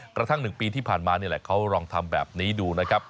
กระทั่ง๑ปีที่ผ่านมานี่แหละเขาลองทำแบบนี้ดูนะครับ